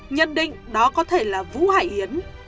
nhận định đó có thể là vũ hải yến